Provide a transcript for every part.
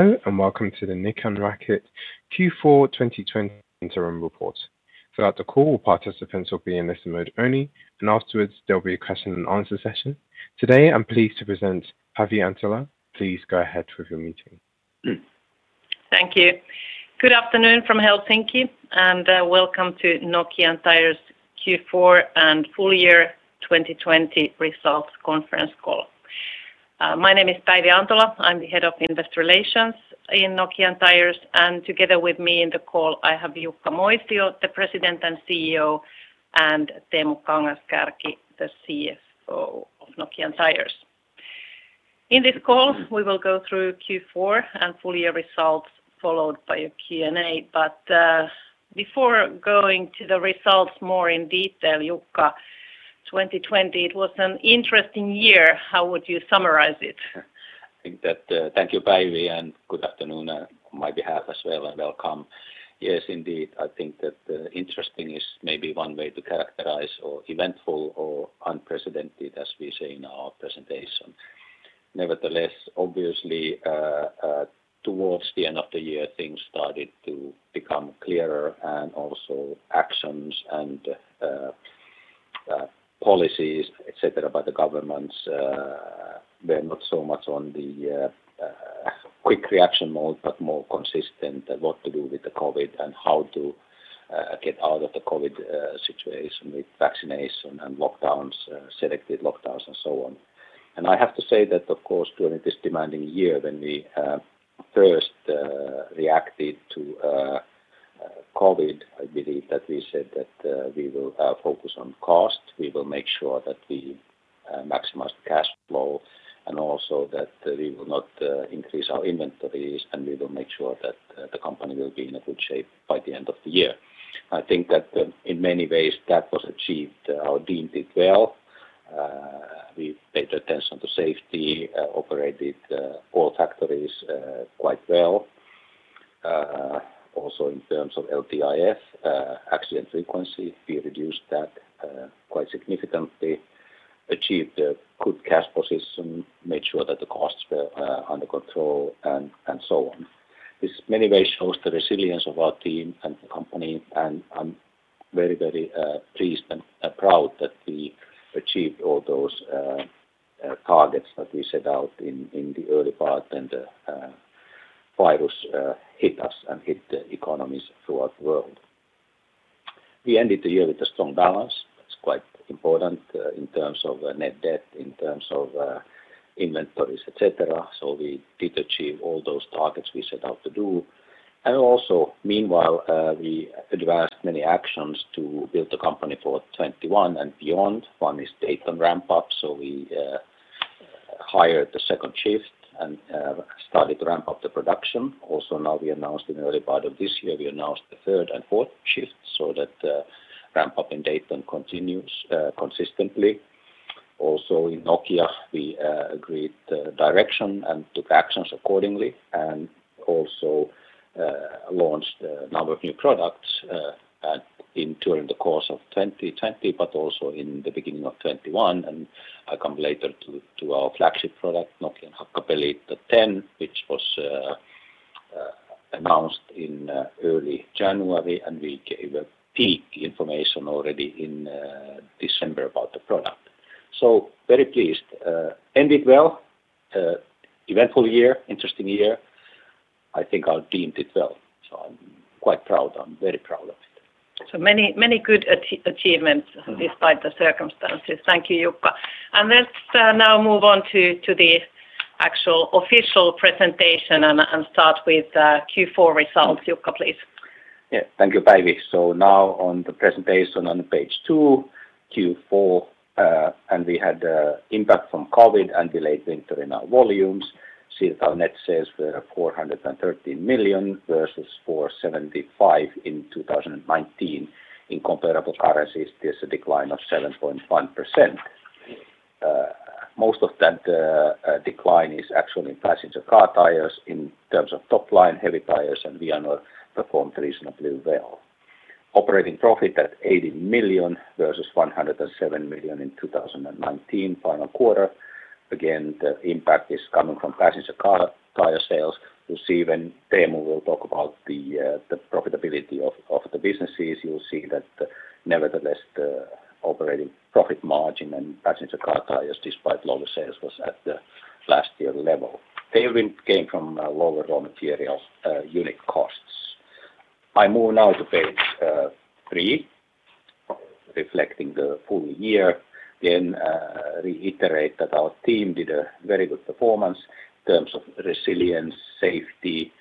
Hello, and welcome to the Nokian Tyres Q4 2020 Interim Report. Throughout the call, participants will be in listen mode only, and afterwards, there'll be a question and answer session. Today, I'm pleased to present Päivi Antola. Please go ahead with your meeting. Thank you. Good afternoon from Helsinki, and welcome to Nokian Tyres Q4 and full year 2020 results conference call. My name is Päivi Antola. I'm the Head of Investor Relations in Nokian Tyres, and together with me in the call, I have Jukka Moisio, the President and Chief Executive Officer, and Teemu Kangas-Kärki, the Chief Financial Officer of Nokian Tyres. In this call, we will go through Q4 and full year results, followed by a Q&A. Before going to the results more in detail, Jukka, 2020, it was an interesting year. How would you summarize it? Thank you, Päivi, and good afternoon on my behalf as well, and welcome. Yes, indeed. I think that interesting is maybe one way to characterize or eventful or unprecedented, as we say in our presentation. Obviously, towards the end of the year, things started to become clearer and also actions and policies, etc., by the governments. They're not so much on the quick reaction mode, but more consistent what to do with the COVID and how to get out of the COVID situation with vaccination and selective lockdowns and so on. I have to say that, of course, during this demanding year when we first reacted to COVID, I believe that we said that we will focus on cost, we will make sure that we maximize the cash flow, and also that we will not increase our inventories, and we will make sure that the company will be in a good shape by the end of the year. I think that in many ways, that was achieved. Our team did well. We paid attention to safety, operated all factories quite well. In terms of LTIF, accident frequency, we reduced that quite significantly, achieved a good cash position, made sure that the costs were under control, and so on. This in many ways shows the resilience of our team and the company, and I'm very pleased and proud that we achieved all those targets that we set out in the early part when the virus hit us and hit the economies throughout the world. We ended the year with a strong balance. That's quite important in terms of net debt, in terms of inventories, et cetera. We did achieve all those targets we set out to do. Meanwhile, we advanced many actions to build the company for 2021 and beyond. One is Dayton ramp up, so we hired the second shift and started to ramp up the production. Also, now in the early part of this year, we announced the third and fourth shifts so that ramp up in Dayton continues consistently. Also, in Nokian Tyres, we agreed direction and took actions accordingly, and also launched a number of new products during the course of 2020 but also in the beginning of 2021. I'll come later to our flagship product, Nokian Hakkapeliitta 10, which was announced in early January, and we gave a peak information already in December about the product. Very pleased. Ended well. Eventful year, interesting year. I think our team did well, so I'm quite proud. I'm very proud of it. Many good achievements despite the circumstances. Thank you, Jukka. Let's now move on to the actual official presentation and start with Q4 results. Jukka, please. Thank you, Päivi. Now on the presentation on page two, Q4, we had impact from COVID and delayed winter in our volumes. See that our net sales were 413 million versus 475 million in 2019. In comparable currencies, there's a decline of 7.1%. Most of that decline is actually in passenger car tires in terms of top line, heavy tires, and Vianor performed reasonably well. Operating Profit at 80 million versus 107 million in 2019 final quarter. Again, the impact is coming from passenger car tire sales. You'll see when Teemu will talk about the profitability of the businesses, you'll see that nevertheless, the Operating Profit margin and passenger car tires, despite lower sales, was at the last year level. They even came from lower raw materials unit costs. I move now to page three, reflecting the full year, then reiterate that our team did a very good performance in terms of resilience, safety,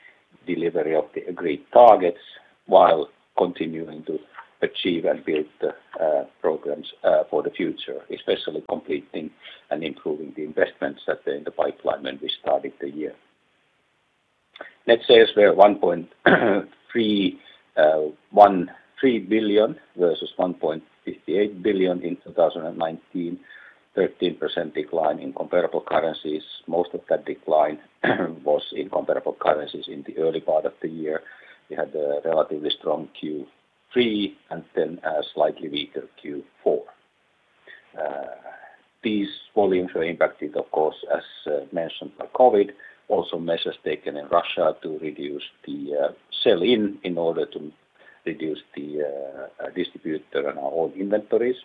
delivery of the agreed targets while continuing to achieve and build the programs for the future, especially completing and improving the investments that were in the pipeline when we started the year. Net sales were 1.3 billion versus 1.58 billion in 2019, 13% decline in comparable currencies. Most of that decline was in comparable currencies in the early part of the year. We had a relatively strong Q3 and then a slightly weaker Q4. These volumes were impacted, of course, as mentioned, by COVID, also measures taken in Russia to reduce the sell-in in order to reduce the distributor and our own inventories,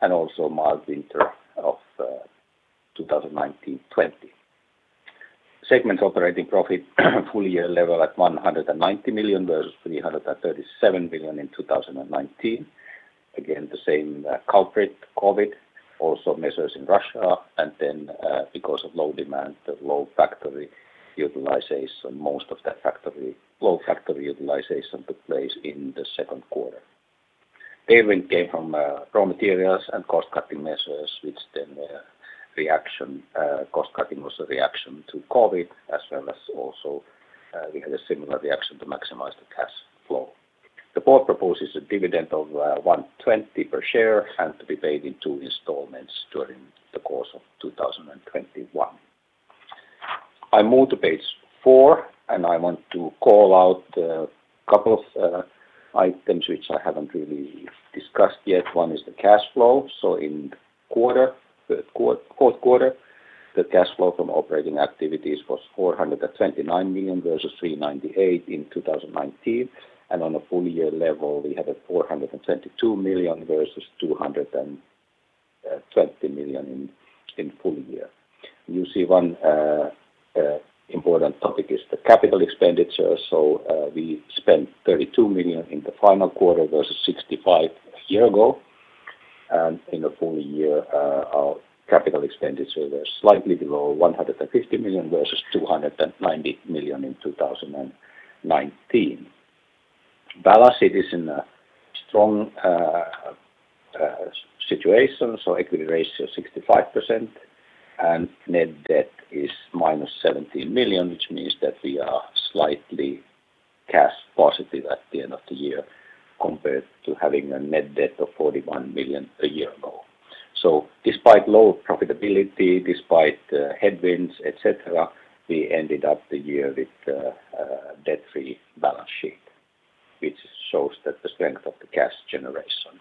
and also mild winter of 2019/20. Segment operating profit full year level at 190 million versus 337 million in 2019. The same culprit, COVID, also measures in Russia, because of low demand, low factory utilization, most of the low factory utilization took place in the second quarter. Tailwind came from raw materials and cost-cutting measures, which cost-cutting was a reaction to COVID as well as also we had a similar reaction to maximize the cash flow. The board proposes a dividend of 1.20 per share and to be paid in two installments during the course of 2021. I move to page four, I want to call out a couple of items which I haven't really discussed yet. One is the cash flow. In the fourth quarter, the cash flow from operating activities was 429 million versus 398 million in 2019. On a full year level, we had a 422 million versus 220 million in full year. You see one important topic is the capital expenditure. We spent 32 million in the final quarter versus 65 a year ago. In a full year, our capital expenditure was slightly below 150 million versus 290 million in 2019. Balance sheet is in a strong situation, so equity ratio 65% and net debt is -17 million, which means that we are slightly cash positive at the end of the year compared to having a net debt of 41 million a year ago. Despite low profitability, despite headwinds, et cetera, we ended up the year with a debt-free balance sheet, which shows that the strength of the cash generation.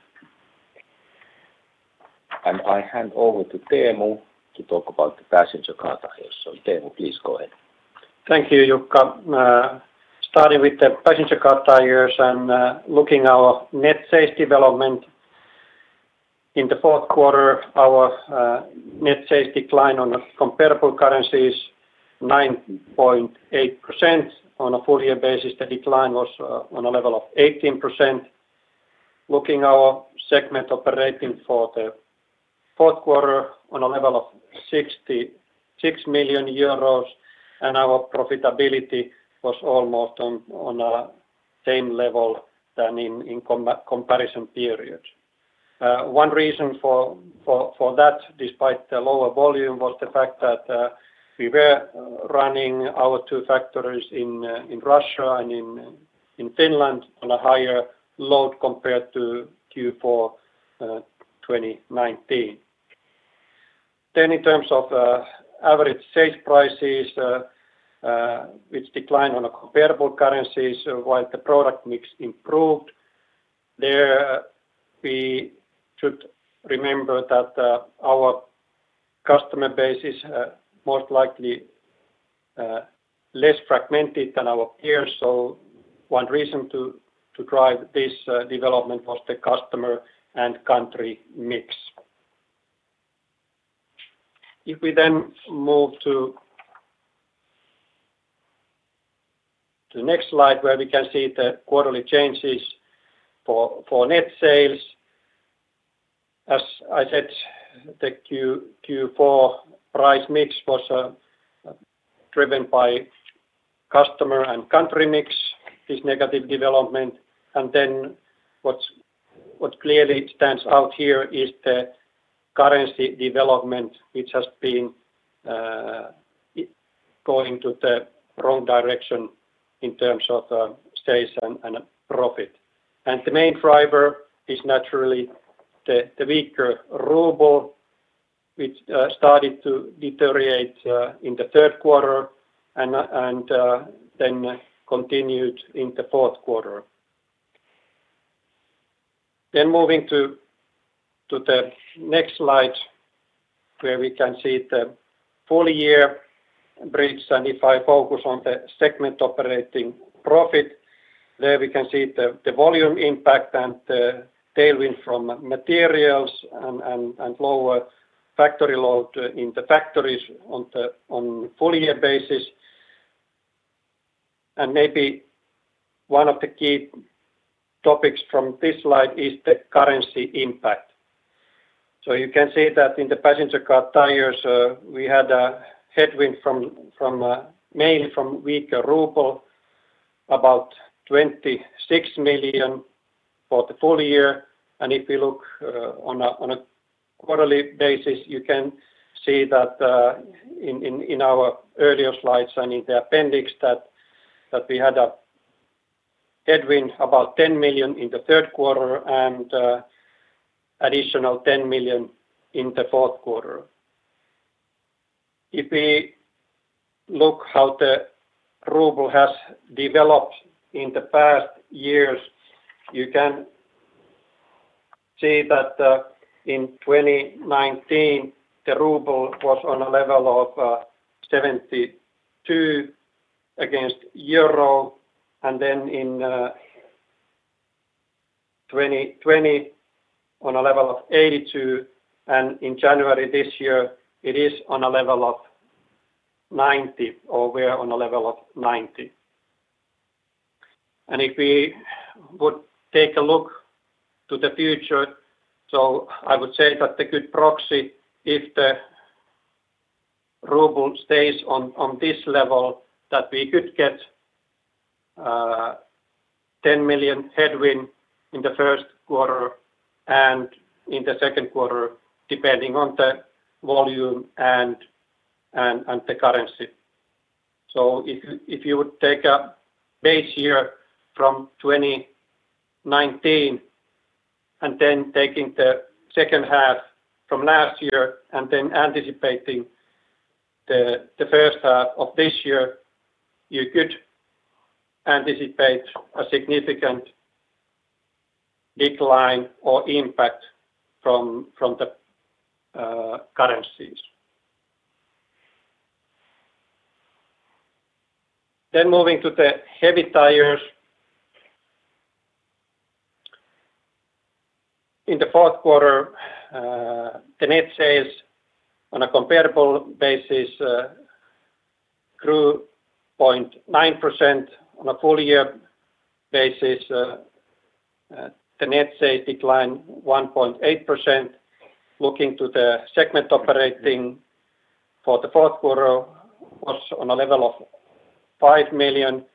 I hand over to Teemu to talk about the passenger car tires. Teemu, please go ahead. Thank you, Jukka. Starting with the passenger car tires and looking our net sales development. In the fourth quarter, our net sales decline on a comparable currency is 9.8%. On a full year basis, the decline was on a level of 18%. Looking our segment operating for the fourth quarter on a level of 66 million euros, and our profitability was almost on a same level than in comparison periods. One reason for that, despite the lower volume, was the fact that we were running our two factories in Russia and in Finland on a higher load compared to Q4 2019. In terms of average sales prices, which declined on a comparable currencies while the product mix improved. There we should remember that our customer base is most likely less fragmented than our peers. One reason to drive this development was the customer and country mix. If we move to the next slide, where we can see the quarterly changes for net sales. As I said, the Q4 price mix was driven by customer and country mix, this negative development. What clearly stands out here is the currency development, which has been going to the wrong direction in terms of sales and profit. The main driver is naturally the weaker ruble, which started to deteriorate in the third quarter and continued in the fourth quarter. Moving to the next slide, where we can see the full year bridge. If I focus on the segment operating profit, there we can see the volume impact and the tailwind from materials and lower factory load in the factories on full year basis. Maybe one of the key topics from this slide is the currency impact. You can see that in the passenger car tires, we had a headwind mainly from weaker ruble, about 26 million for the full year. If you look on a quarterly basis, you can see that in our earlier slides and in the appendix that we had a headwind about 10 million in the third quarter and additional 10 million in the fourth quarter. If we look how the ruble has developed in the past years, you can see that in 2019, the ruble was on a level of 72 against euro, and then in 2020 on a level of 82, and in January this year it is on a level of 90, or we are on a level of 90. If we would take a look to the future, I would say that a good proxy if the ruble stays on this level, that we could get 10 million headwind in the first quarter and in the second quarter, depending on the volume and the currency. If you would take a base year from 2019 and then taking the second half from last year and then anticipating the first half of this year, you could anticipate a significant decline or impact from the currencies. Moving to the heavy tires. In the fourth quarter, the net sales on a comparable basis grew 0.9% on a full year basis. The net sales declined 1.8%. Looking to the segment operating for the fourth quarter was on a level of 5 million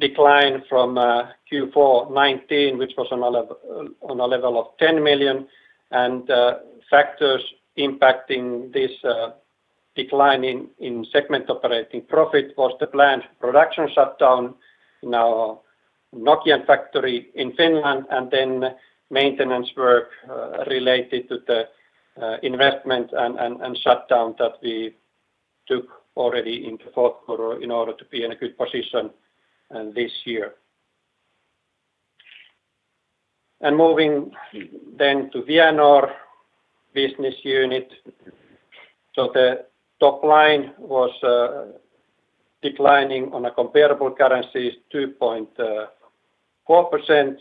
decline from Q4 2019, which was on a level of 10 million. Factors impacting this decline in segment operating profit was the planned production shutdown in our Nokian factory in Finland, and maintenance work related to the investment and shutdown that we took already in the fourth quarter in order to be in a good position this year. Moving then to Vianor business unit. The top line was declining on a comparable currency 2.4%,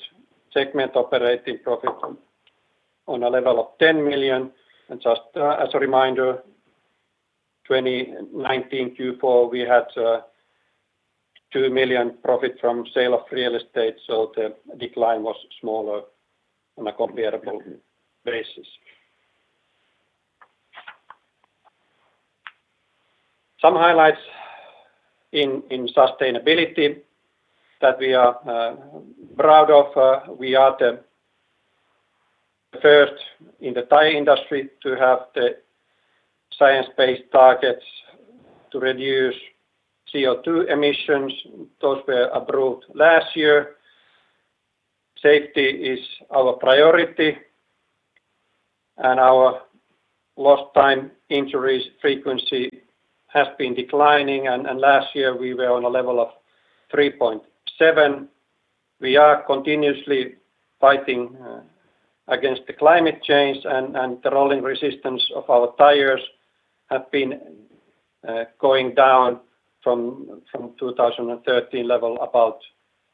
segment operating profit on a level of 10 million. Just as a reminder, 2019 Q4, we had 2 million profit from sale of real estate, the decline was smaller on a comparable basis. Some highlights in sustainability that we are proud of. We are the first in the tire industry to have the science-based targets to reduce CO2 emissions. Those were approved last year. Safety is our priority and our lost time injuries frequency has been declining, and last year we were on a level of 3.7. We are continuously fighting against the climate change, and the rolling resistance of our tyres have been going down from 2013 level about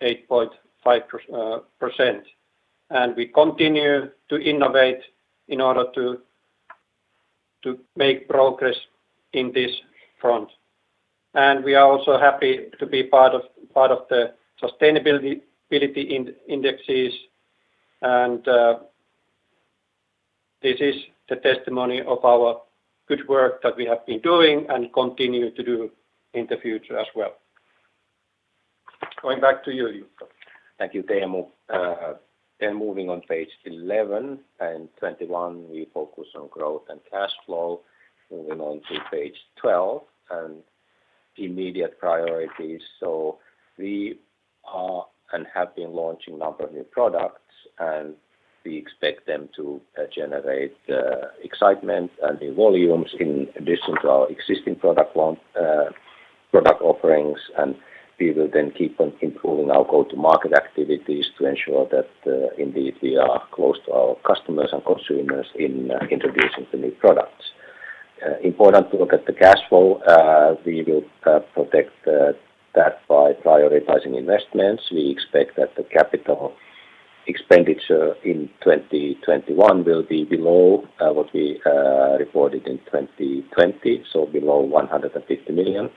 8.5%. We continue to innovate in order to make progress in this front. We are also happy to be part of the sustainability indexes, and this is the testimony of our good work that we have been doing and continue to do in the future as well. Going back to you, Jukka. Thank you, Teemu. Moving on page 11 and 21, we focus on growth and cash flow. Moving on to page 12 and immediate priorities. We are and have been launching a number of new products, and we expect them to generate excitement and new volumes in addition to our existing product offerings. We will then keep on improving our go-to-market activities to ensure that indeed we are close to our customers and consumers in introducing the new products. Important to look at the cash flow. We will protect that by prioritizing investments. We expect that the capital expenditure in 2021 will be below what we reported in 2020, so below 150 million.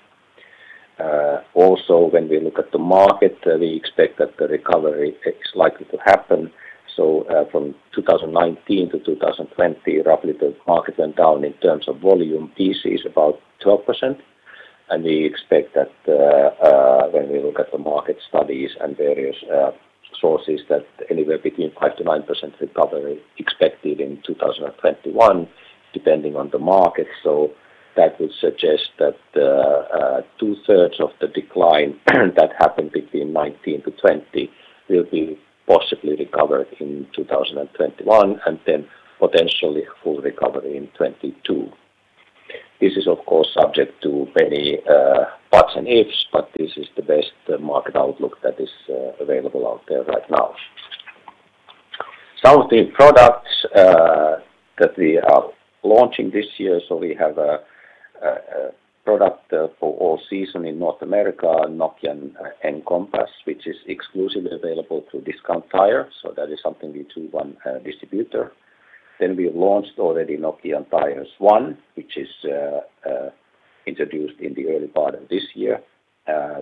When we look at the market, we expect that the recovery is likely to happen. From 2019 to 2020, roughly the market went down in terms of volume PCs about 12%. We expect that when we look at the market studies and various sources that anywhere between 5% to 9% recovery expected in 2021, depending on the market. That would suggest that two-thirds of the decline that happened between 2019 to 2020 will be possibly recovered in 2021 and then potentially full recovery in 2022. This is, of course, subject to many buts and ifs, but this is the best market outlook that is available out there right now. Some of the products that we are launching this year, we have a product for all season in North America, Nokian Tyres One, which is exclusively available through Discount Tire, that is something we do on distributor. We launched already Nokian Tyres One, which is introduced in the early part of this year.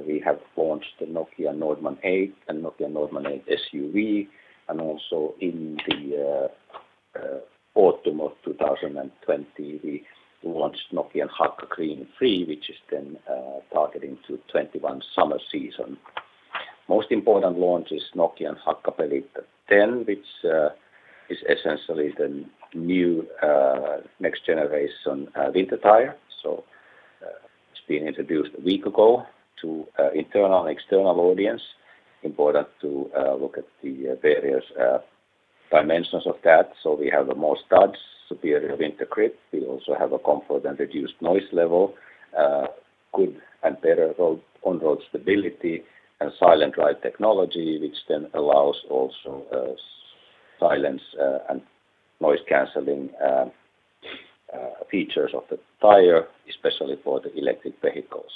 We have launched the Nokian Nordman 8 and Nokian Nordman 8 SUV, and also in the autumn of 2020, we launched Nokian Hakka Green 3, which is then targeting to 2021 summer season. Most important launch is Nokian Hakkapeliitta 10, which is essentially the new next generation winter tire. It's been introduced a week ago to internal and external audience. Important to look at the various dimensions of that. We have more studs, superior winter grip. We also have a comfort and reduced noise level, good and better on-road stability, and silent ride technology, which then allows also silence and noise-canceling features of the tire, especially for the electric vehicles.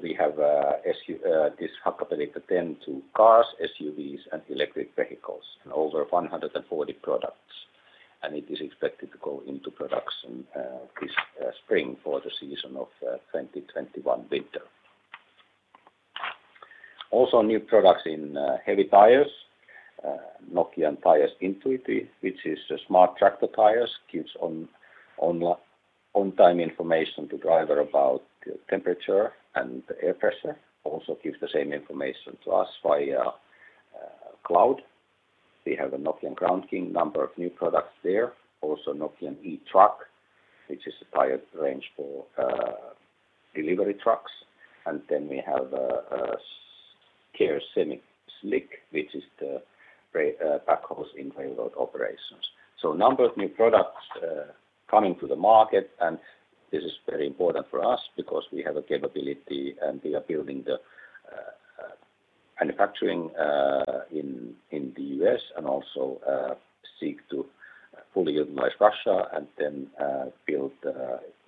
We have this Nokian Hakkapeliitta 10 to cars, SUVs, and electric vehicles, and over 140 products. It is expected to go into production this spring for the season of 2021 winter. New products in heavy tires, Nokian Tyres Intuitu, which is a smart tractor tires, gives on time information to driver about temperature and air pressure. Gives the same information to us via cloud. We have a Nokian Ground King, number of new products there. Nokian E-Truck, which is a tire range for delivery trucks. We have a Nokian Ground Kare Semi-Slick, which is the backhoes in railroad operations. Number of new products coming to the market, and this is very important for us because we have a capability and we are building the manufacturing in the U.S., and also seek to fully utilize Russia, and then build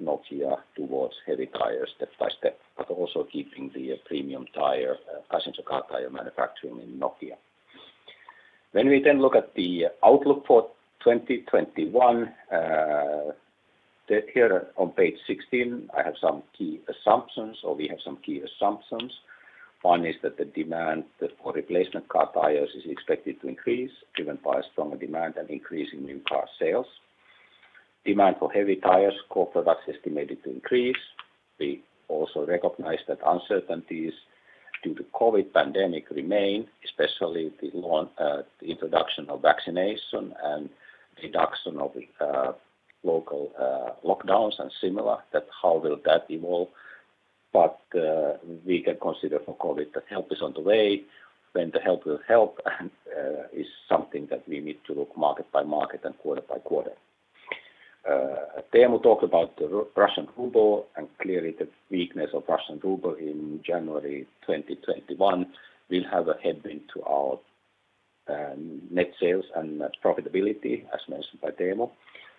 Nokian towards heavy tires step by step, but also keeping the premium tire, passenger car tire manufacturing in Nokian. When we look at the outlook for 2021, here on page 16, I have some key assumptions, or we have some key assumptions. One is that the demand for replacement car tires is expected to increase, driven by a stronger demand and increase in new car sales. Demand for heavy tires, core products estimated to increase. We also recognize that uncertainties due to COVID pandemic remain, especially the introduction of vaccination and reduction of local lockdowns and similar, that how will that evolve. We can consider for COVID that help is on the way, when the help will help, and is something that we need to look market by market and quarter by quarter. Teemu talked about the Russian ruble, clearly the weakness of Russian ruble in January 2021 will have a headwind to our net sales and profitability, as mentioned by Teemu.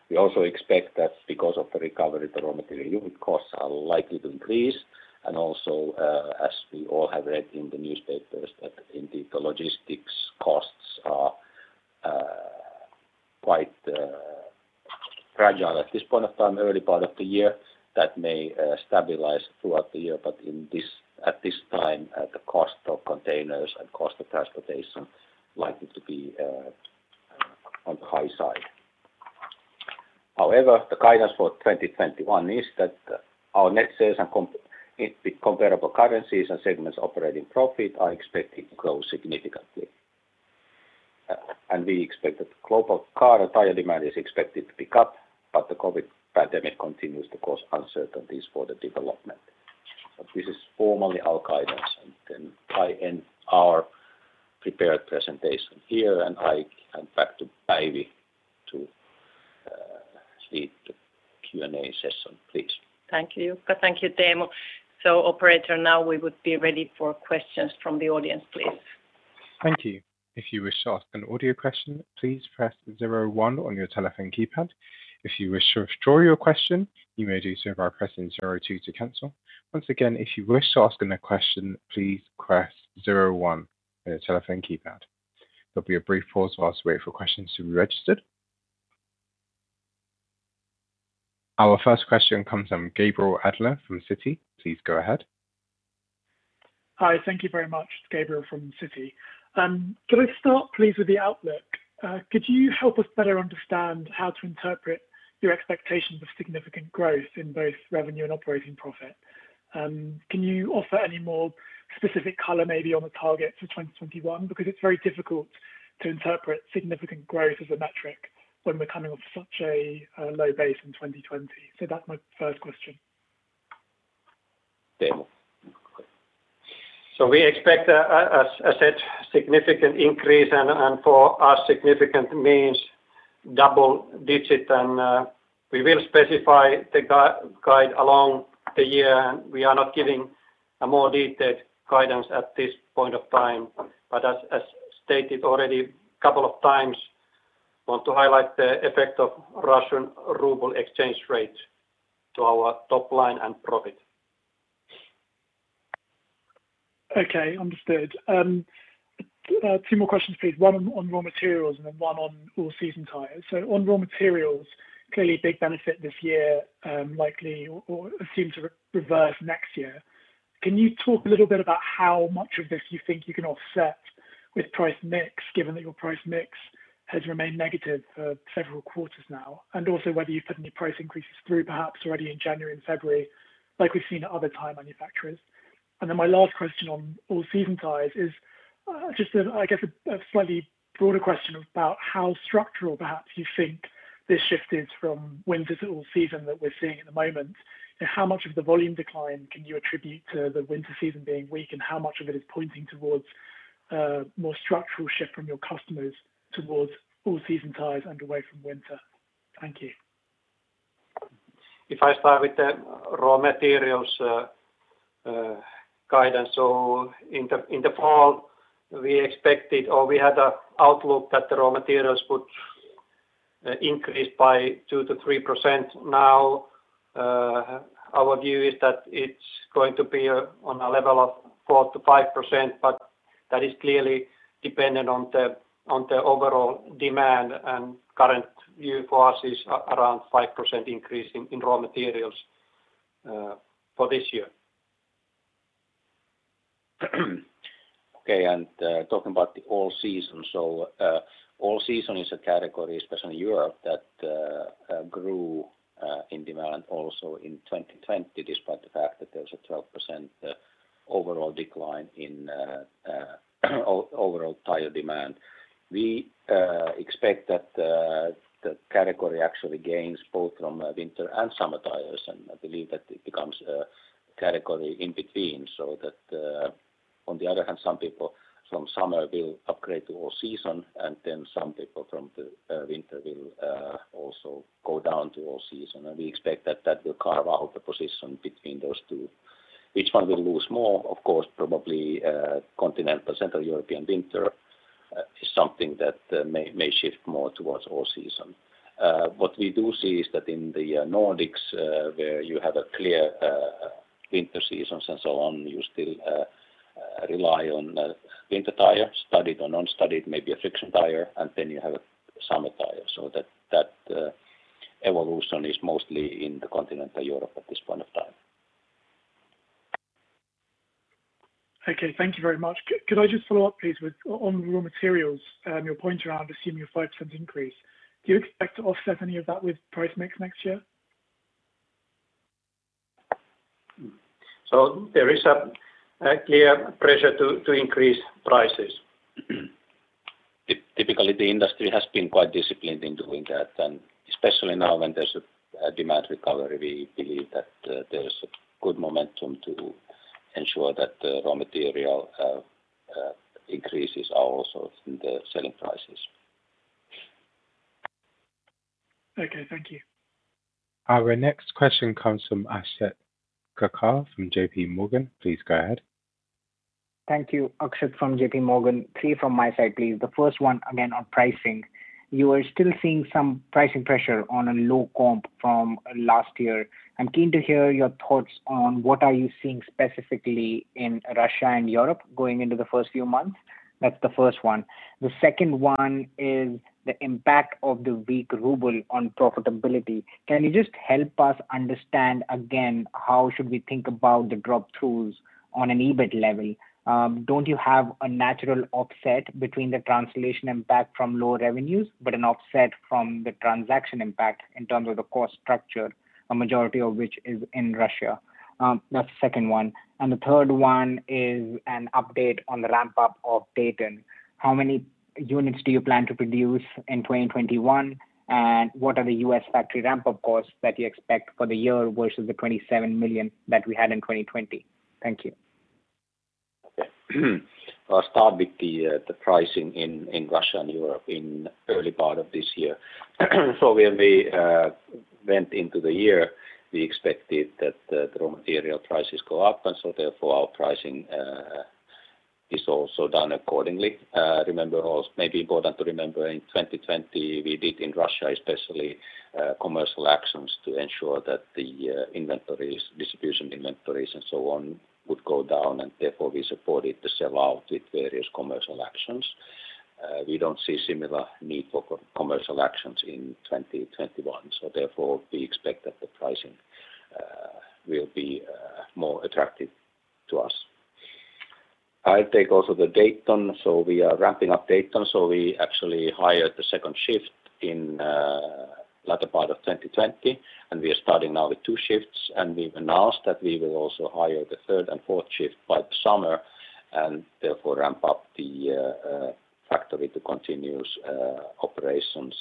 We also expect that because of the recovery, the raw material unit costs are likely to increase. As we all have read in the newspapers, that indeed the logistics costs are quite fragile at this point of time, early part of the year. That may stabilize throughout the year, but at this time, the cost of containers and cost of transportation likely to be on the high side. However, the guidance for 2021 is that our net sales in comparable currencies and segments operating profit are expected to grow significantly. We expect that global car tire demand is expected to pick up, but the COVID pandemic continues to cause uncertainties for the development. This is formally our guidance, and then I end our prepared presentation here, and I hand back to Päivi to lead the Q&A session, please. Thank you, Jukka. Thank you, Teemu. Operator, now we would be ready for questions from the audience, please. Thank you. If you wish to ask an audio question please press zero one on your telephone keypad. If you wish to withdraw your question, you may press zero two to transfer. Once again to ask a question please press zero one on your telephone keypad. Our first question comes from Gabriel Adler from Citi. Please go ahead. Hi. Thank you very much. It's Gabriel from Citi. Can I start, please, with the outlook? Could you help us better understand how to interpret your expectations of significant growth in both revenue and operating profit? Can you offer any more specific color maybe on the target for 2021? Because it's very difficult to interpret significant growth as a metric when we're coming off such a low base in 2020. That's my first question. We expect a significant increase, and for us, significant means double-digit. We will specify the guide along the year. We are not giving a more detailed guidance at this point of time. As stated already a couple of times, want to highlight the effect of Russian RUB exchange rate to our top line and profit. Okay, understood. Two more questions, please. One on raw materials and then one on all-season tires. On raw materials clearly a big benefit this year likely or seems to reverse next year. Can you talk a little bit about how much of this you think you can offset with price mix, given that your price mix has remained negative for several quarters now? Also whether you've put any price increases through, perhaps already in January and February like we've seen at other tire manufacturers. My last question on all-season tires is just, I guess a slightly broader question about how structural perhaps you think this shift is from winter to all-season that we're seeing at the moment. How much of the volume decline can you attribute to the winter season being weak, and how much of it is pointing towards a more structural shift from your customers towards all-season tires and away from winter? Thank you. If I start with the raw materials guidance. In the fall, we expected, or we had an outlook that the raw materials would increase by 2%-3%. Our view is that it's going to be on a level of 4%-5%, that is clearly dependent on the overall demand and current view for us is around 5% increase in raw materials for this year. Talking about the all-season. All-season is a category, especially in Europe, that grew in demand also in 2020, despite the fact that there's a 12% overall decline in overall tire demand. We expect that the category actually gains both from winter and summer tires. I believe that it becomes a category in between so that, on the other hand, some people from summer will upgrade to all-season. Then some people from the winter will also go down to all-season. We expect that that will carve out the position between those two. Which one will lose more? Of course, probably continental Central European winter is something that may shift more towards all-season. What we do see is that in the Nordics where you have a clear winter seasons and so on, you still rely on winter tires, studded or non-studded, maybe a friction tire, and then you have a summer tire. That evolution is mostly in the continental Europe at this point of time. Okay. Thank you very much. Could I just follow up, please, on raw materials, your point around assuming a 5% increase. Do you expect to offset any of that with price mix next year? There is a clear pressure to increase prices. Typically, the industry has been quite disciplined in doing that, and especially now when there's a demand recovery, we believe that there's a good momentum to ensure that the raw material increases are also in the selling prices. Okay, thank you. Our next question comes from Akshat Kacker from JPMorgan. Please go ahead. Thank you. Akshat from JPMorgan. Three from my side, please. The first one, again, on pricing. You are still seeing some pricing pressure on a low comp from last year. I'm keen to hear your thoughts on what are you seeing specifically in Russia and Europe going into the first few months. That's the first one. The second one is the impact of the weak ruble on profitability. Can you just help us understand again, how should we think about the drop-throughs on an EBIT level? Don't you have a natural offset between the translation impact from lower revenues, but an offset from the transaction impact in terms of the cost structure, a majority of which is in Russia? That's the second one. The third one is an update on the ramp-up of Dayton. How many units do you plan to produce in 2021, and what are the U.S. factory ramp-up costs that you expect for the year versus the 27 million that we had in 2020? Thank you. I'll start with the pricing in Russia and Europe in early part of this year. When we went into the year, we expected that the raw material prices go up, therefore our pricing is also done accordingly. Maybe important to remember, in 2020, we did in Russia, especially, commercial actions to ensure that the inventories, distribution inventories and so on, would go down, therefore we supported the sell-out with various commercial actions. We don't see similar need for commercial actions in 2021, therefore, we expect that the pricing will be more attractive to us. I'll take also the Dayton. We are ramping up Dayton. We actually hired the second shift in latter part of 2020, and we are starting now with two shifts. We've announced that we will also hire the third and fourth shift by the summer and therefore ramp up the factory to continuous operations.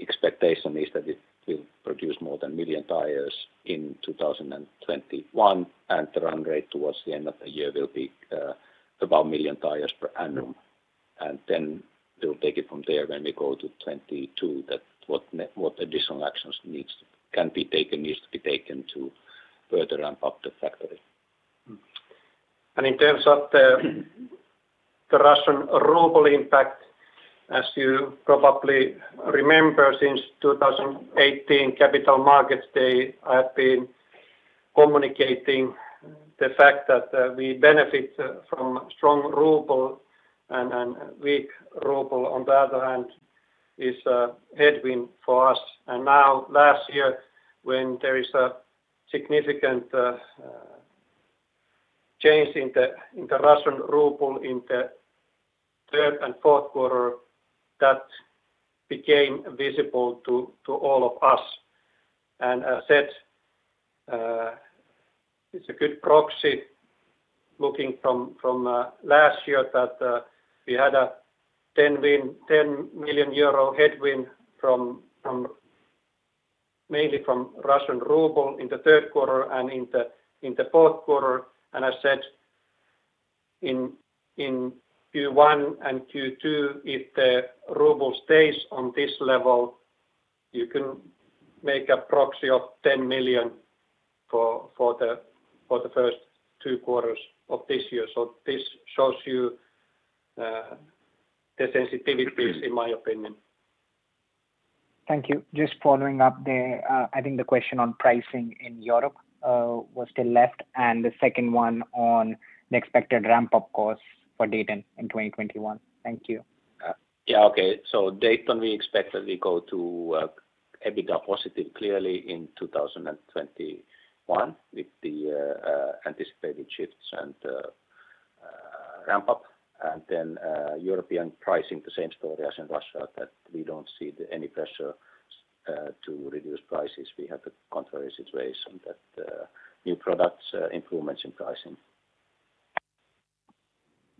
Expectation is that it will produce more than a million tires in 2021, and the run rate towards the end of the year will be about a million tires per annum. Then we'll take it from there when we go to 2022, what additional actions can be taken, needs to be taken to further ramp up the factory. In terms of the Russian ruble impact, as you probably remember, since 2018 Capital Markets Day, I've been communicating the fact that we benefit from strong ruble, and weak ruble, on the other hand, is a headwind for us. Now last year, when there is a significant change in the Russian ruble in the third and fourth quarter, that became visible to all of us. I said, it's a good proxy looking from last year that we had a 10 million euro headwind mainly from Russian ruble in the third quarter and in the fourth quarter. I said in Q1 and Q2, if the ruble stays on this level, you can make a proxy of 10 million for the first two quarters of this year. This shows you the sensitivities in my opinion. Thank you. Just following up there. I think the question on pricing in Europe was still left, and the second one on the expected ramp-up costs for Dayton in 2021. Thank you. Yeah. Okay. Dayton, we expect that we go to EBITDA positive clearly in 2021 with the anticipated shifts and ramp up. European pricing, the same story as in Russia, that we don't see any pressure to reduce prices. We have the contrary situation that new products improvements in pricing.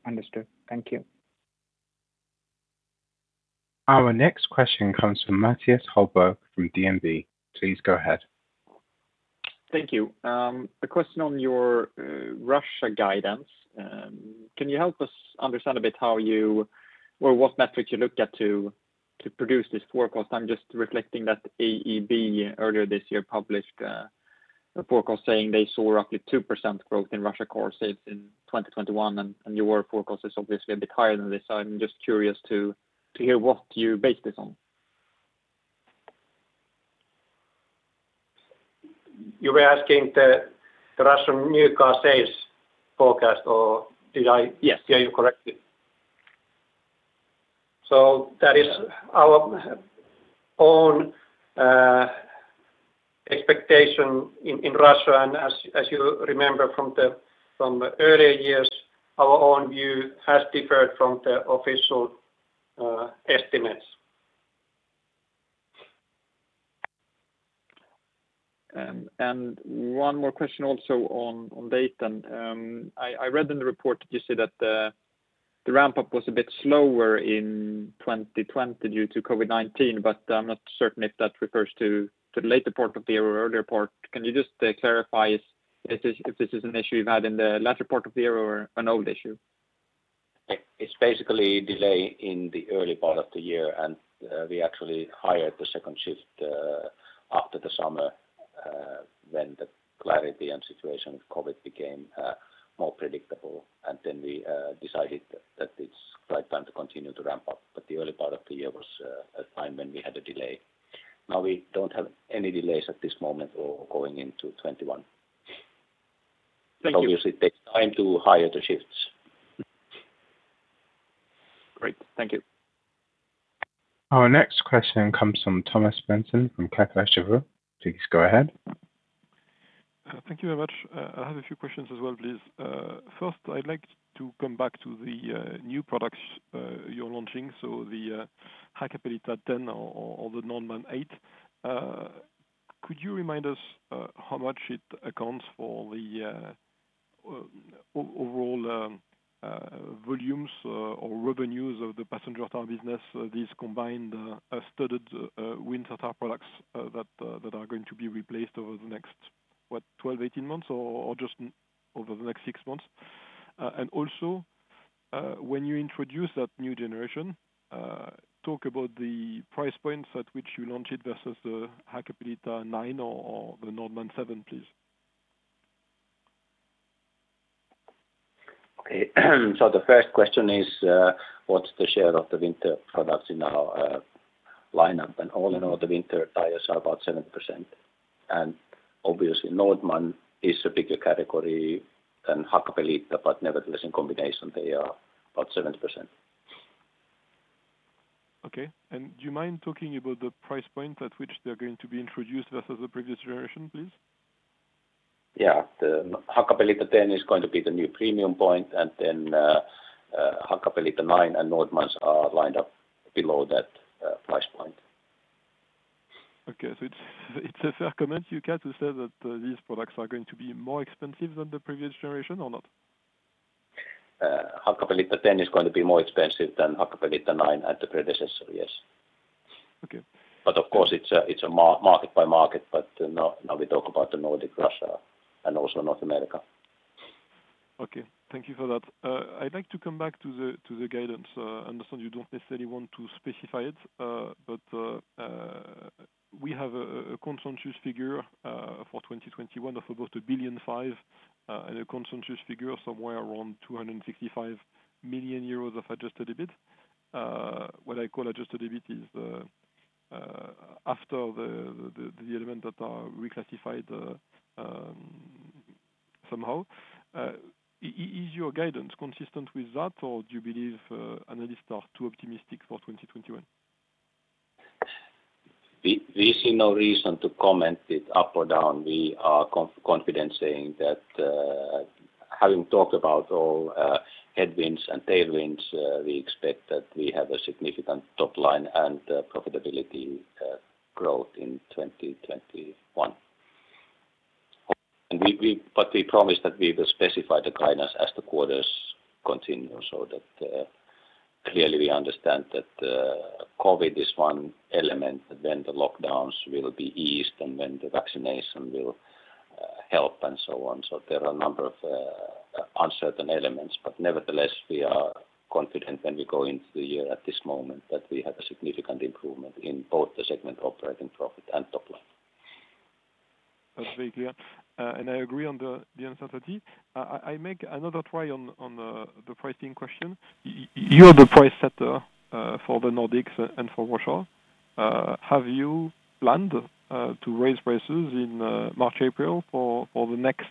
Understood. Thank you. Our next question comes from Mattias Holmberg from DNB. Please go ahead. Thank you. A question on your Russia guidance. Can you help us understand a bit how you, or what metrics you looked at to produce this forecast? I'm just reflecting that AEB earlier this year published a forecast saying they saw roughly 2% growth in Russia car sales in 2021, and your forecast is obviously a bit higher than this, so I'm just curious to hear what you based this on. You were asking the Russian new car sales forecast, or did I hear you correctly? Yes. That is our own expectation in Russia. As you remember from the earlier years, our own view has differed from the official estimates. One more question also on Dayton. I read in the report that you said that the ramp-up was a bit slower in 2020 due to COVID-19, but I'm not certain if that refers to the later part of the year or earlier part. Can you just clarify if this is an issue you've had in the latter part of the year or an old issue? It's basically delay in the early part of the year, and we actually hired the second shift after the summer, when the clarity and situation of COVID became more predictable. We decided that it's the right time to continue to ramp up. The early part of the year was a time when we had a delay. Now we don't have any delays at this moment or going into 2021. Thank you. It obviously takes time to hire the shifts. Great. Thank you. Our next question comes from Thomas Besson from Kepler Cheuvreux. Please go ahead. Thank you very much. I have a few questions as well, please. First I'd like to come back to the new products you're launching, so the Hakkapeliitta 10 or the Nordman 8. Could you remind us how much it accounts for the overall volumes or revenues of the passenger tire business, these combined studded winter tire products that are going to be replaced over the next, what, 12 to 18 months or just over the next six months? And also, when you introduce that new generation, talk about the price points at which you launch it versus the Hakkapeliitta 9 or the Nordman 7, please. The first question is, what's the share of the winter products in our lineup? All in all, the winter tires are about 7%. Obviously Nordman is a bigger category than Hakkapeliitta, but nevertheless, in combination, they are about 7%. Okay. Do you mind talking about the price point at which they're going to be introduced versus the previous generation, please? Yeah. The Hakkapeliitta 10 is going to be the new premium point, Hakkapeliitta 9 and Nordmans are lined up below that price point. It's a fair comment, Jukka, to say that these products are going to be more expensive than the previous generation or not? Hakkapeliitta 10 is going to be more expensive than Hakkapeliitta 9 and the predecessor, yes. Okay. Of course, it's market by market. Now we talk about the Nordic, Russia, and also North America. Okay. Thank you for that. I'd like to come back to the guidance. I understand you don't necessarily want to specify it. We have a consensus figure for 2021 of about 1.5 billion, and a consensus figure somewhere around 265 million euros of adjusted EBIT. What I call adjusted EBIT is after the element that are reclassified somehow. Is your guidance consistent with that, or do you believe analysts are too optimistic for 2021? We see no reason to comment it up or down. We are confident saying that having talked about all headwinds and tailwinds, we expect that we have a significant top line and profitability growth in 2021. We promise that we will specify the guidance as the quarters continue so that clearly we understand that COVID is one element, when the lockdowns will be eased and when the vaccination will help and so on. There are a number of uncertain elements, nevertheless, we are confident when we go into the year at this moment that we have a significant improvement in both the segment operating profit and top line. That's very clear. I agree on the uncertainty. I make another try on the pricing question. You're the price setter for the Nordics and for Russia. Have you planned to raise prices in March, April for the next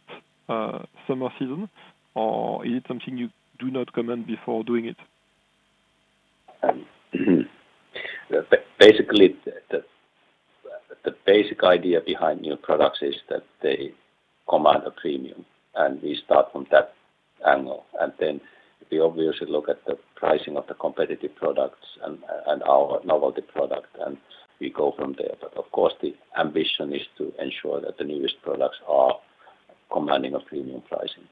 summer season? Is it something you do not comment before doing it? Basically, the basic idea behind new products is that they command a premium, and we start from that angle. Then we obviously look at the pricing of the competitive products and our novelty product, and we go from there. Of course, the ambition is to ensure that the newest products are commanding a premium pricing.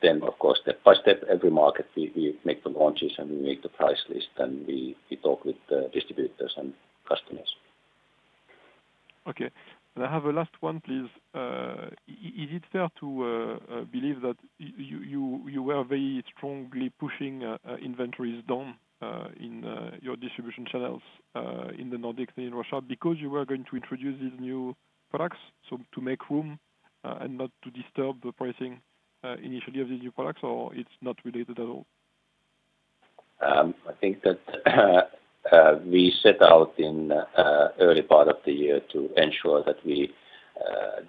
Then, of course, step by step, every market, we make the launches and we make the price list, and we talk with distributors and customers. Okay. I have a last one, please. Is it fair to believe that you were very strongly pushing inventories down in your distribution channels, in the Nordics and in Russia, because you were going to introduce these new products, so to make room and not to disturb the pricing initially of these new products, or it's not related at all? I think that we set out in early part of the year to ensure that we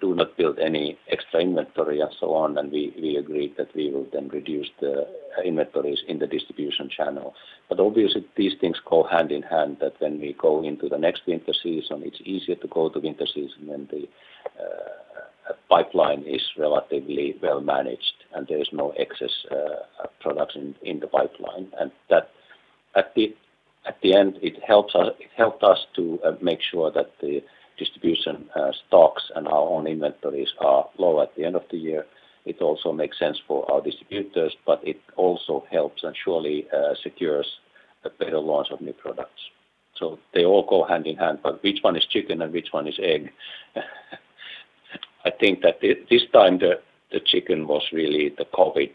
do not build any extra inventory and so on. We agreed that we will then reduce the inventories in the distribution channel. Obviously these things go hand in hand, that when we go into the next winter season, it's easier to go to winter season when the pipeline is relatively well managed and there is no excess production in the pipeline. That at the end, it helped us to make sure that the distribution stocks and our own inventories are low at the end of the year. It also makes sense for our distributors, but it also helps and surely secures a better launch of new products. They all go hand in hand. Which one is chicken and which one is egg? I think that this time the chicken was really the COVID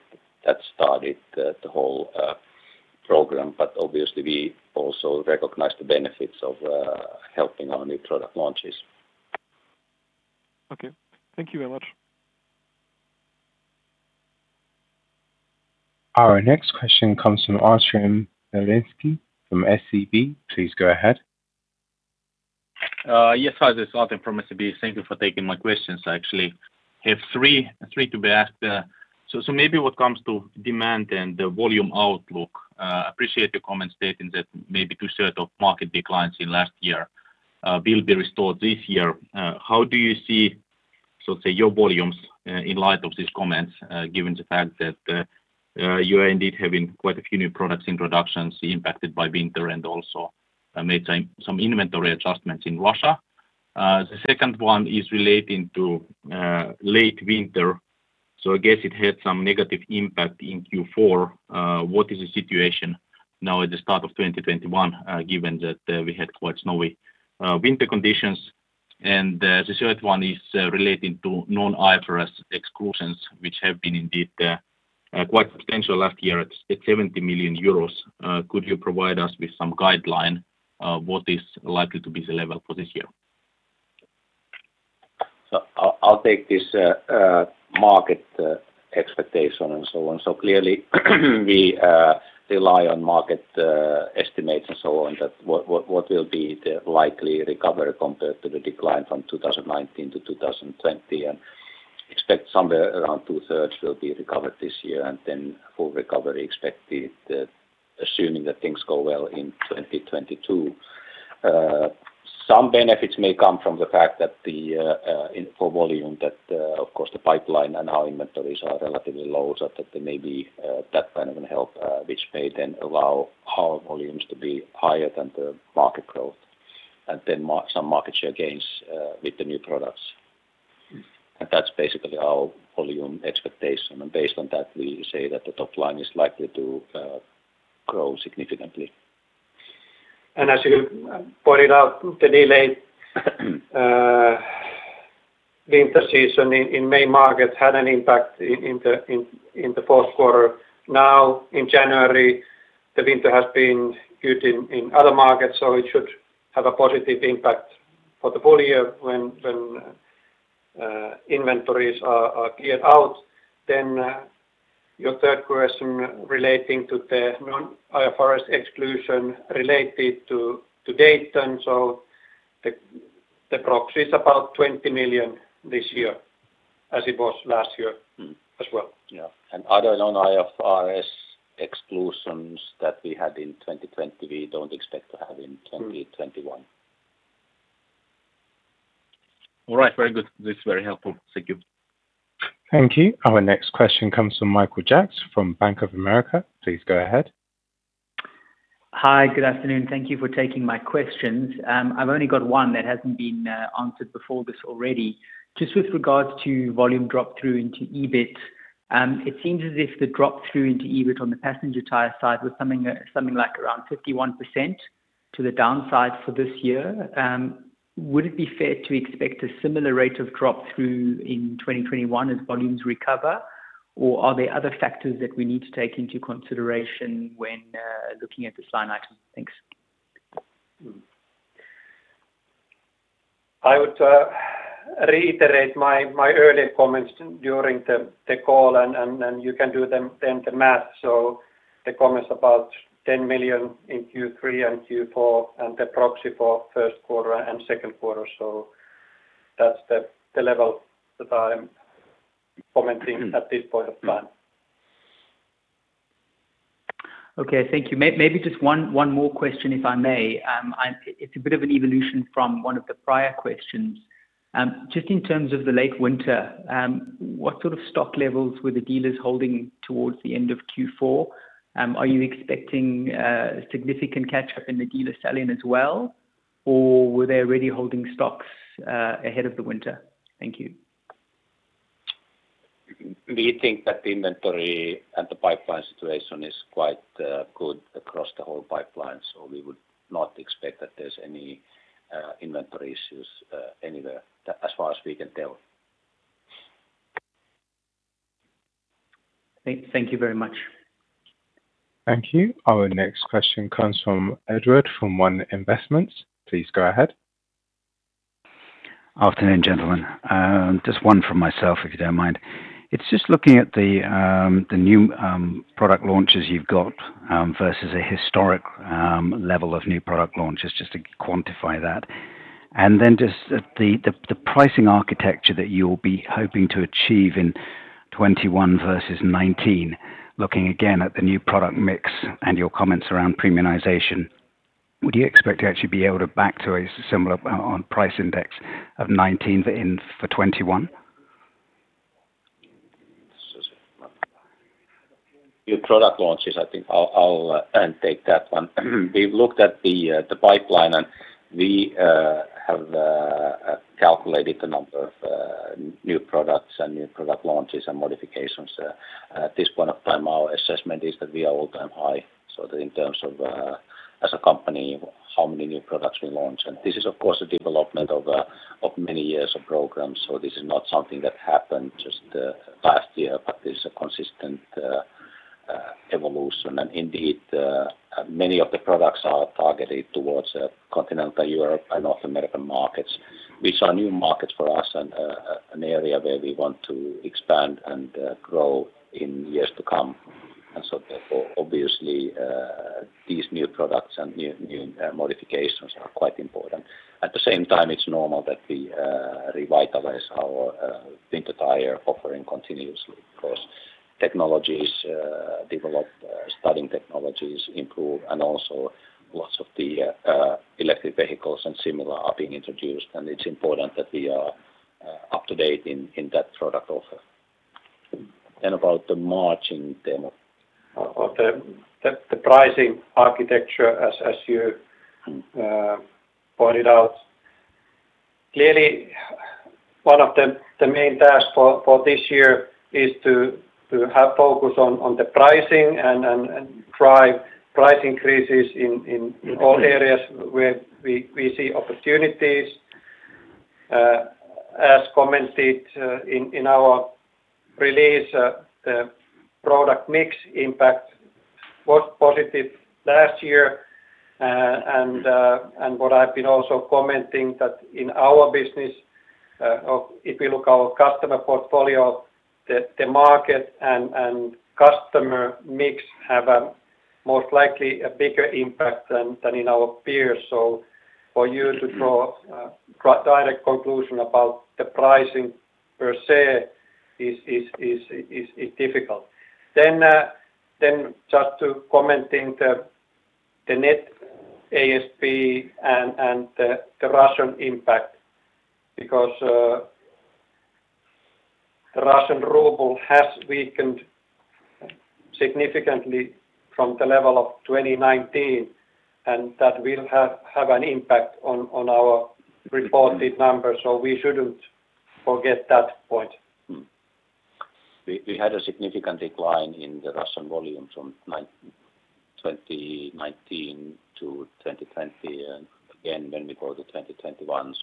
that started the whole program. Obviously we also recognize the benefits of helping our new product launches. Okay. Thank you very much. Our next question comes from Artem Beletski from SEB. Please go ahead. Yes. Hi, this is Artem from SEB. Thank you for taking my questions. I actually have three to ask. Maybe what comes to demand and the volume outlook, appreciate your comment stating that maybe two-third of market declines in last year will be restored this year. How do you see, so to say, your volumes, in light of these comments, given the fact that you are indeed having quite a few new products introductions impacted by winter and also made some inventory adjustments in Russia? The second one is relating to late winter. I guess it had some negative impact in Q4. What is the situation now at the start of 2021, given that we had quite snowy winter conditions? The third one is relating to non-IFRS exclusions, which have been indeed quite substantial last year at 70 million euros. Could you provide us with some guideline what is likely to be the level for this year? I'll take this market expectation and so on. Clearly we rely on market estimates and so on that what will be the likely recovery compared to the decline from 2019 to 2020, and expect somewhere around two-thirds will be recovered this year, and then full recovery expected, assuming that things go well in 2022. Some benefits may come from the fact that in full volume that, of course the pipeline and our inventories are relatively low, so that there may be that kind of help which may then allow our volumes to be higher than the market growth. Then some market share gains with the new products. That's basically our volume expectation. Based on that, we say that the top line is likely to grow significantly. As you pointed out, the delayed winter season in main markets had an impact in the fourth quarter. In January, the winter has been good in other markets, it should have a positive impact for the full year when inventories are cleared out. Your third question relating to the non-IFRS exclusion related to Dayton. The proxy is about 20 million this year, as it was last year as well. Yeah. Other non-IFRS exclusions that we had in 2020, we don't expect to have in 2021. All right. Very good. This is very helpful. Thank you. Thank you. Our next question comes from Michael Jacks from Bank of America. Please go ahead. Hi. Good afternoon. Thank you for taking my questions. I've only got one that hasn't been answered before this already. Just with regards to volume drop-through into EBIT. It seems as if the drop-through into EBIT on the passenger tire side was something like around 51% to the downside for this year. Would it be fair to expect a similar rate of drop-through in 2021 as volumes recover? Are there other factors that we need to take into consideration when looking at this line item? Thanks. I would reiterate my earlier comments during the call. You can do then the math. The comments about 10 million in Q3 and Q4 and the proxy for first quarter and second quarter. That's the level that I'm commenting at this point of time. Okay. Thank you. Maybe just one more question, if I may. It's a bit of an evolution from one of the prior questions. Just in terms of the late winter, what sort of stock levels were the dealers holding towards the end of Q4? Are you expecting a significant catch-up in the dealer sell-in as well? Were they already holding stocks ahead of the winter? Thank you. We think that the inventory and the pipeline situation is quite good across the whole pipeline, so we would not expect that there is any inventory issues anywhere, as far as we can tell. Thank you very much. Thank you. Our next question comes from Edward from One Investments. Please go ahead. Afternoon, gentlemen. Just one from myself, if you don't mind. It's just looking at the new product launches you've got versus a historic level of new product launches, just to quantify that. Just the pricing architecture that you'll be hoping to achieve in 2021 versus 2019, looking again at the new product mix and your comments around premiumization. Would you expect to actually be able to back to a similar on price index of 2019 for 2021? New product launches, I think I'll take that one. We've looked at the pipeline, and we have calculated the number of new products and new product launches and modifications. At this point of time, our assessment is that we are all-time high. In terms of as a company, how many new products we launch. This is, of course, a development of many years of programs. This is not something that happened just last year, but this is a consistent evolution. Indeed, many of the products are targeted towards Continental Europe and North American markets, which are new markets for us and an area where we want to expand and grow in years to come. Therefore, obviously, these new products and new modifications are quite important. At the same time, it's normal that we revitalize our winter tire offering continuously because technologies develop, studying technologies improve, and also lots of the electric vehicles and similar are being introduced, and it's important that we are up to date in that product offer. About the margin Teemu. Of the pricing architecture, as you pointed out, clearly one of the main tasks for this year is to have focus on the pricing and drive price increases in all areas where we see opportunities. As commented in our release, the product mix impact was positive last year. What I've been also commenting that in our business, if we look our customer portfolio, the market and customer mix have a most likely a bigger impact than in our peers. For you to draw a direct conclusion about the pricing per se is difficult. Just to commenting the net ASP and the Russian impact, because the Russian ruble has weakened significantly from the level of 2019, and that will have an impact on our reported numbers. We shouldn't forget that point. We had a significant decline in the Russian volume from 2019 to 2020, and again when we go to 2021.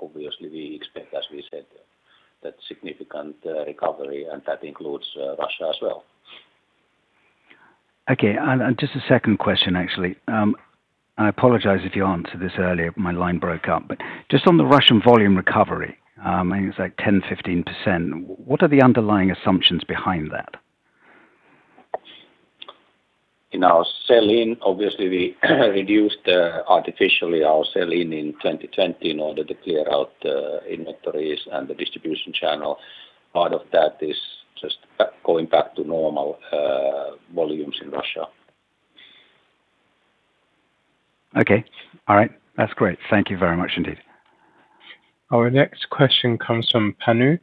Obviously we expect, as we said, that significant recovery, and that includes Russia as well. Okay. Just a second question, actually. I apologize if you answered this earlier, my line broke up. Just on the Russian volume recovery, it's like 10%-15%. What are the underlying assumptions behind that? In our sell-in, obviously, we reduced artificially our sell-in in 2020 in order to clear out the inventories and the distribution channel. Part of that is just going back to normal volumes in Russia. Okay. All right. That's great. Thank you very much indeed. Our next question comes from Panu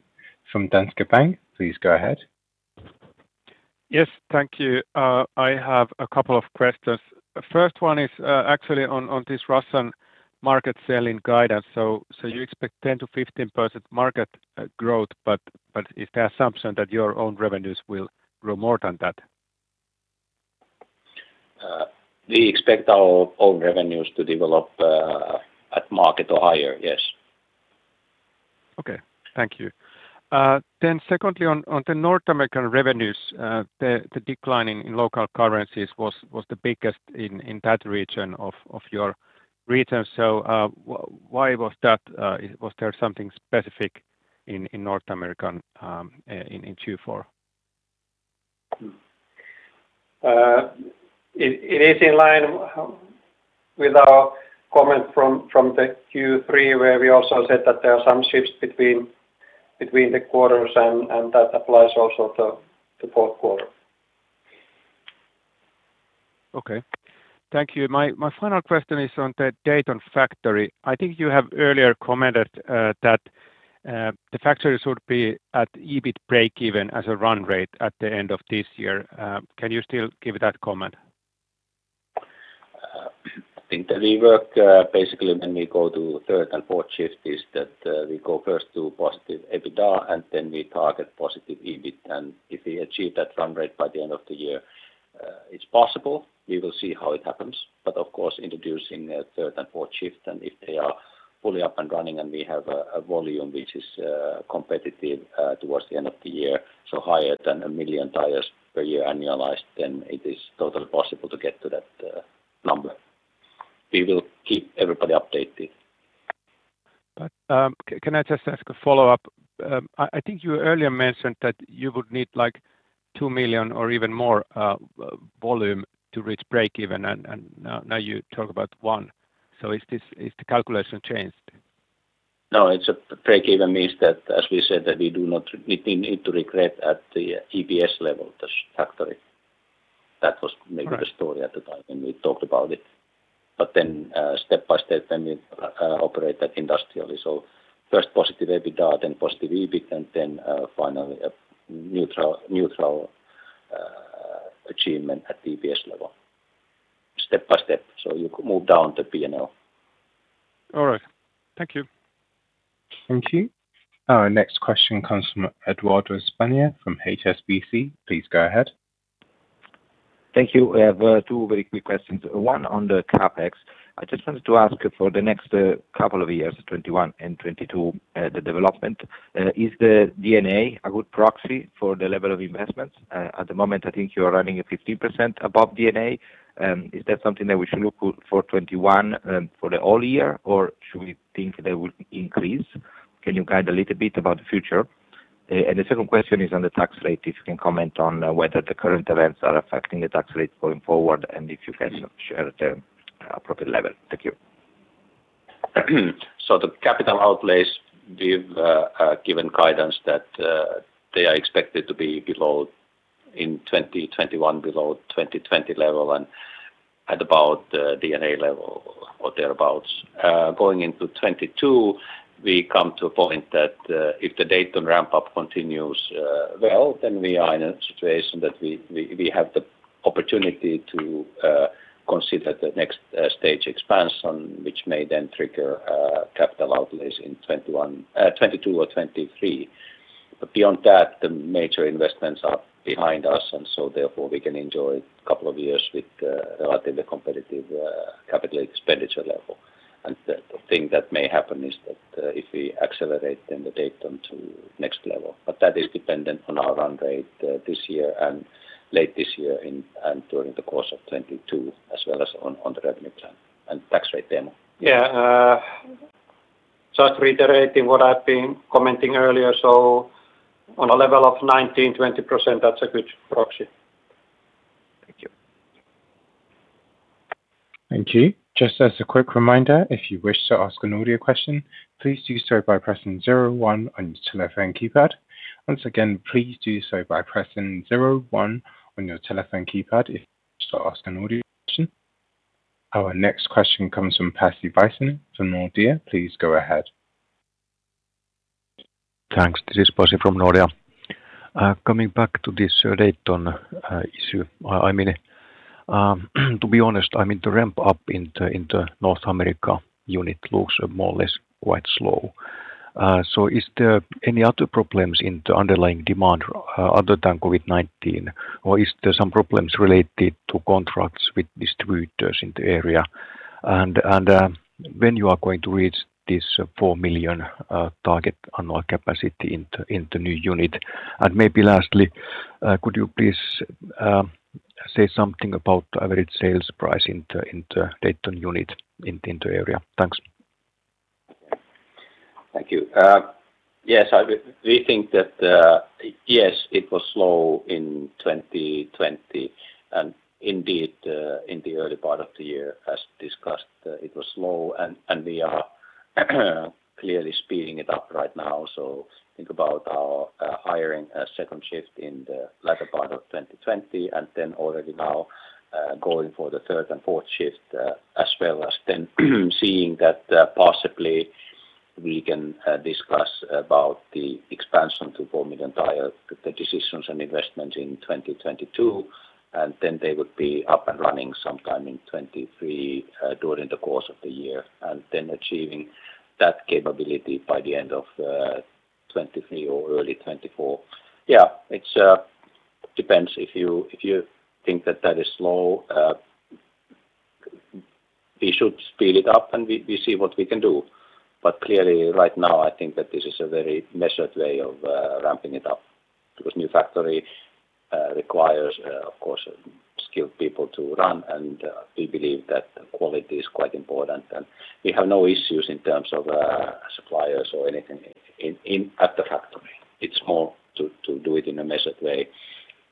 from Danske Bank. Please go ahead. Yes. Thank you. I have a couple of questions. First one is actually on this Russian market sell-in guidance. You expect 10%-15% market growth, but is the assumption that your own revenues will grow more than that? We expect our own revenues to develop at market or higher, yes. Okay. Thank you. Secondly, on the North American revenues, the decline in local currencies was the biggest in that region of your regions. Why was that? Was there something specific in North America in Q4? It is in line with our comment from the Q3, where we also said that there are some shifts between the quarters, and that applies also to the fourth quarter. Okay. Thank you. My final question is on the Dayton factory. I think you have earlier commented that the factory should be at EBIT breakeven as a run rate at the end of this year. Can you still give that comment? I think that we work, basically, when we go to third and fourth shift is that we go first to positive EBITDA, and then we target positive EBIT. If we achieve that run rate by the end of the year, it's possible. We will see how it happens. Of course, introducing a third and fourth shift, and if they are fully up and running and we have a volume which is competitive towards the end of the year, so higher than 1 million tires per year annualized, then it is totally possible to get to that number. We will keep everybody updated. Can I just ask a follow-up? I think you earlier mentioned that you would need 2 million or even more volume to reach breakeven, and now you talk about 1 million. Has the calculation changed? No, breakeven means that, as we said, that we do not need to regret at the EPS level, this factory. The story at the time when we talked about it. Step by step, then we operate that industrially. First positive EBITDA, then positive EBIT, and then finally a neutral achievement at EPS level, step by step. You move down the P&L. All right. Thank you. Thank you. Our next question comes from Edoardo Spina from HSBC. Please go ahead. Thank you. I have two very quick questions. One on the CapEx. I just wanted to ask for the next couple of years, 2021 and 2022, the development. Is the D&A a good proxy for the level of investments? At the moment, I think you're running a 15% above D&A. Is that something that we should look for 2021 for the whole year, or should we think they will increase? Can you guide a little bit about the future? The second question is on the tax rate, if you can comment on whether the current events are affecting the tax rates going forward and if you can share the appropriate level. Thank you. The capital outlays, we've given guidance that they are expected to be in 2021 below 2020 level and at about D&A level or thereabouts. Going into 2022, we come to a point that if the Dayton ramp-up continues well, then we are in a situation that we have the opportunity to consider the next stage expansion, which may then trigger capital outlays in 2022 or 2023. Beyond that, the major investments are behind us, therefore we can enjoy a couple of years with a relatively competitive capital expenditure level. The thing that may happen is that if we accelerate, then the Dayton to next level. That is dependent on our run rate this year and late this year and during the course of 2022 as well as on the revenue plan and tax rate demo. Yeah. Just reiterating what I've been commenting earlier. On a level of 19%-20%, that's a good proxy. Thank you. Thank you. As a quick reminder, if you wish to ask an audio question, please do so by pressing zero one on your telephone keypad. Once again, please do so by pressing zero one on your telephone keypad if you wish to ask an audio question. Our next question comes from Pasi Väisänen from Nordea. Please go ahead. Thanks. This is Pasi from Nordea. Coming back to this Dayton issue. To be honest, the ramp-up in the North America unit looks more or less quite slow. Are there any other problems in the underlying demand other than COVID-19, or are there some problems related to contracts with distributors in the area? When are you going to reach this 4 million target annual capacity in the new unit? Maybe lastly, could you please say something about average sales price in the Dayton unit in the area? Thanks. Thank you. Yes, we think that it was slow in 2020, and indeed in the early part of the year as discussed, it was slow, and we are clearly speeding it up right now. Think about our hiring a second shift in the latter part of 2020 already now going for the third and fourth shift, seeing that possibly we can discuss about the expansion to 4 million tires, the decisions and investment in 2022, they would be up and running sometime in 2023, during the course of the year, achieving that capability by the end of 2023 or early 2024. Yeah, it depends if you think that that is slow. We should speed it up, and we see what we can do. Clearly, right now, I think that this is a very measured way of ramping it up because a new factory requires, of course, skilled people to run, and we believe that quality is quite important, and we have no issues in terms of suppliers or anything at the factory. It's more to do it in a measured way.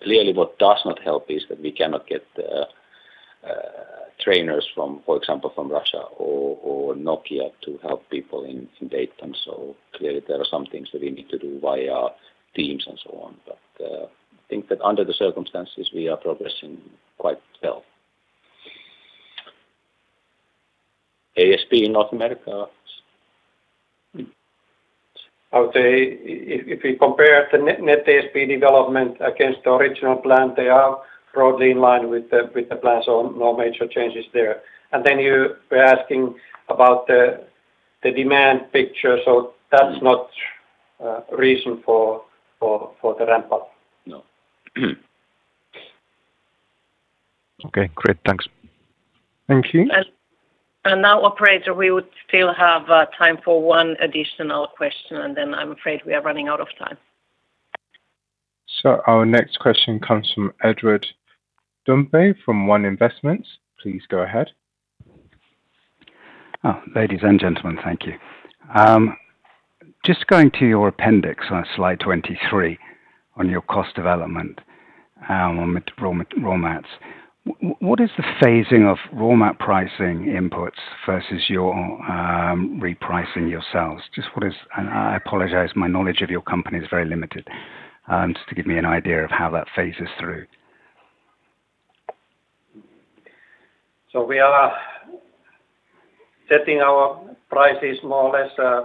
Clearly, what does not help is that we cannot get trainers, for example from Russia or Nokian Tyres to help people in Dayton. Clearly, there are some things that we need to do via Teams and so on. I think that under the circumstances, we are progressing quite well. ASP in North America? I would say if we compare the net ASP development against the original plan, they are broadly in line with the plan, no major changes there. You were asking about the demand picture. That's not a reason for the ramp-up. No. Okay, great. Thanks. Thank you. Now, operator, we would still have time for one additional question, and then I'm afraid we are running out of time. Our next question comes from Edward Donoghue from One Investments. Please go ahead. Ladies and gentlemen, thank you. Going to your appendix on slide 23 on your cost development on raw mats. What is the phasing of raw mat pricing inputs versus your repricing your sales? I apologize, my knowledge of your company is very limited. To give me an idea of how that phases through. We are setting our prices more or less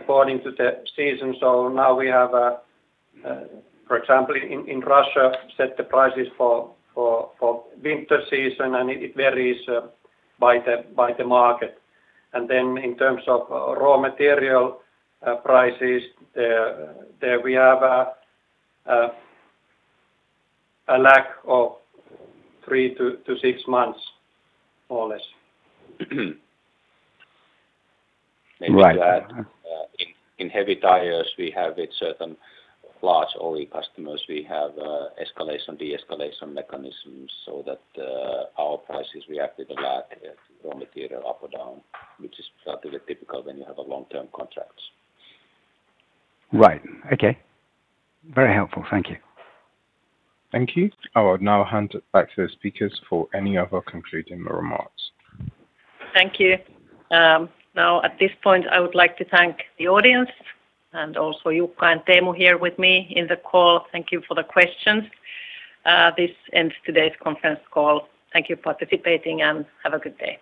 according to the season. Now we have, for example, in Russia, set the prices for winter season, and it varies by the market. In terms of raw material prices, there we have a lag of three to six months, more or less. Maybe to add, in heavy tires, we have with certain large OE customers, we have escalation, de-escalation mechanisms so that our prices react with a lag if raw material up or down, which is relatively typical when you have long-term contracts. Right. Okay. Very helpful. Thank you. Thank you. I will now hand it back to the speakers for any other concluding remarks. Thank you. Now, at this point, I would like to thank the audience and also Jukka and Teemu here with me on the call. Thank you for the questions. This ends today's conference call. Thank you for participating, and have a good day.